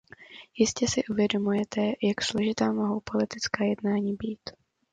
Jistě si uvědomujete, jak složitá mohou politická jednání být.